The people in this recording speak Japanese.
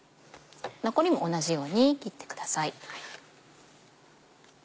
残りも同じように切ってください。